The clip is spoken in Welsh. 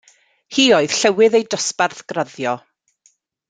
Hi oedd llywydd ei dosbarth graddio.